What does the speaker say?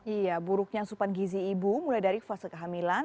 iya buruknya asupan gizi ibu mulai dari fase kehamilan